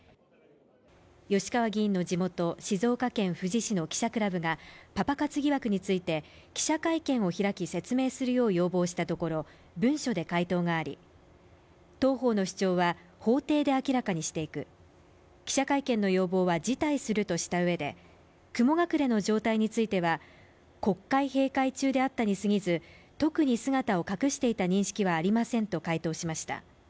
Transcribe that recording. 吉川議員の地元・静岡県富士市の記者クラブがパパ活疑惑について記者会見を開き、説明するよう要望したところ、文書で回答があり当方の主張は法廷で明らかにしていく、記者会見の要望は辞退するとしたうえで、雲隠れの状態については、国会閉会中であったにすぎず、特に姿を隠していた認識はありませんと回答しました。